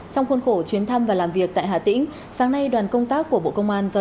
trong khuôn khổ chuyến thăm và làm việc tại hà tĩnh sáng nay đoàn công tác của bộ công an do